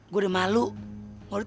gue udah malu mau taruh di mana muka gue ya